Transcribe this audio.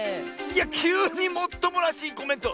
いやきゅうにもっともらしいコメント！